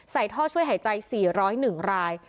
ท่อช่วยหายใจ๔๐๑ราย